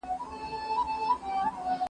ما به ياد کړې تا به يا کړم .